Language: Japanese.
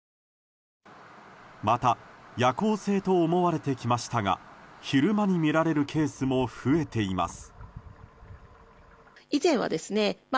また、夜行性と思われてきましたが昼間に見られるケースも増えています。